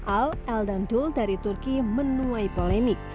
al el dan dul dari turki menuai polemik